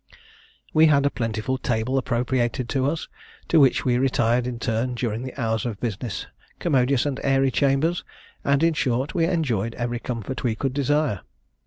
We had a plentiful table appropriated to us, to which we retired in turn during the hours of business, commodious and airy chambers, and, in short, we enjoyed every comfort we could desire.